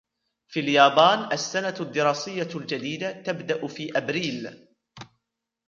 في اليابان السنة الدراسية الجديدة تبدأ في أبريل.